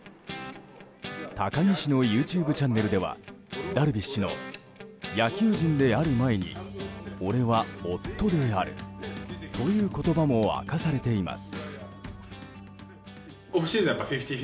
高木氏のＹｏｕＴｕｂｅチャンネルではダルビッシュの野球人である前に俺は夫であるという言葉も明かされています。